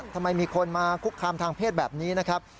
ทำไมมีคนมาคุกคามทางเพศแบบนี้นะครับ